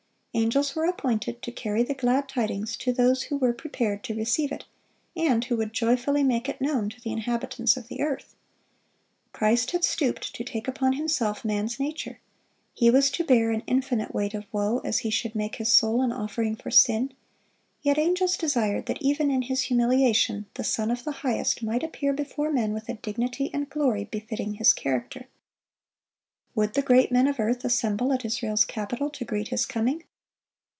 Angels were appointed to carry the glad tidings to those who were prepared to receive it, and who would joyfully make it known to the inhabitants of the earth. Christ had stooped to take upon Himself man's nature; He was to bear an infinite weight of woe as He should make His soul an offering for sin; yet angels desired that even in His humiliation, the Son of the Highest might appear before men with a dignity and glory befitting His character. Would the great men of earth assemble at Israel's capital to greet His coming?